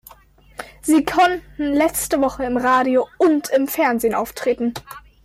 Sie konnten letzte Woche im Radio und im Fernsehen auftreten.